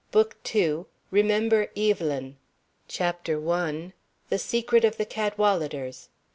BOOK II REMEMBER EVELYN CHAPTER I. THE SECRET OF THE CADWALADERS.